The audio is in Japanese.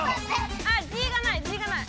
あっ「じ」がない「じ」がない。